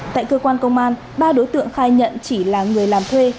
tại cơ quan công an ba đối tượng khai nhận chỉ là người làm thuê